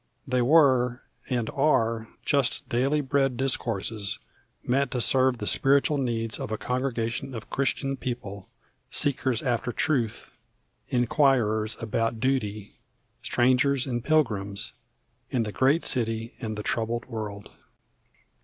They were, and are, just daily bread discourses meant to serve the spiritual needs of a congregation of Christian people, seekers after truth, inquirers about duty, strangers and pilgrims, in the great city and the troubled world.